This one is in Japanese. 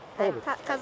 家族。